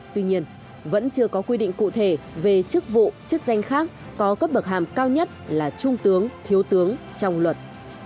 tuy nhiên vẫn chưa có quy định cụ thể về chức vụ chức danh khác có cấp bậc hàm cao nhất là trung tướng thiếu tướng trong luật